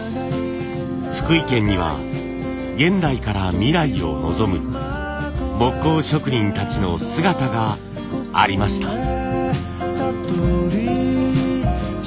福井県には現代から未来を臨む木工職人たちの姿がありました。